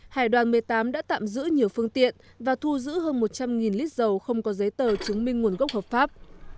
hải đoàn một mươi tám đã tạm giữ nhiều phương tiện và thu giữ hơn một trăm linh lít dầu không có giấy tờ chứng minh nguồn gốc hợp pháp